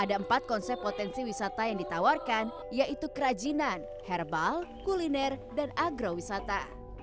ada empat konsep potensi wisata yang ditawarkan yaitu kerajinan herbal kuliner dan agrowisata